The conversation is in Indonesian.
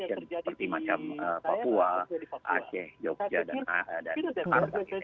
seperti macam papua aceh jogja dan jakarta